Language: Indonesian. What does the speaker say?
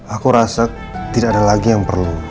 aku rasa tidak ada lagi yang perlu